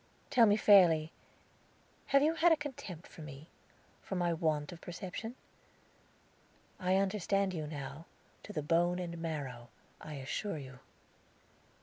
Tell me fairly, have you had a contempt for me for my want of perception? I understand you now, to the bone and marrow, I assure you."